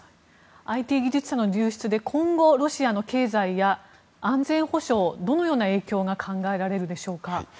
ＩＴ技術者の流出で今後、ロシアの経済や安全保障、どのような影響が考えられるでしょうか。